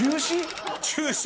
中止？